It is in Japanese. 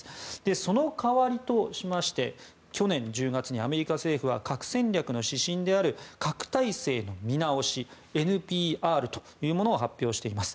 その代わりとしまして去年１０月にアメリカ政府は核戦力の指針である核体制の見直し・ＮＰＲを発表しています。